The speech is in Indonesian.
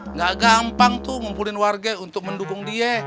nggak gampang tuh ngumpulin warga untuk mendukung dia